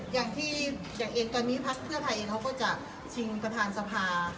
อย่างที่อย่างเองตอนนี้พระเภทไทยเองเขาก็จะชิงประธานสภา